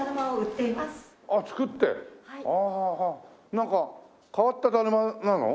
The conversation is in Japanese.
なんか変わっただるまなの？